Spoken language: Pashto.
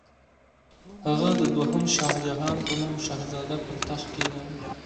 هغه د دوهم شاهجهان په نوم شهزاده پر تخت کښېناوه.